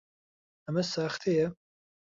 ئەمە ساختەیە؟